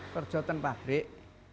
kerja di pabrik